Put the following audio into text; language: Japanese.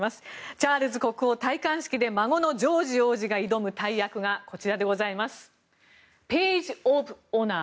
チャールズ国王戴冠式で孫のジョージ王子が挑む大役がページ・オブ・オナー。